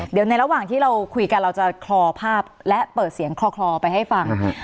เดี๋ยวในระหว่างที่เราคุยกันเราจะคลอภาพและเปิดเสียงคลอไปให้ฟัง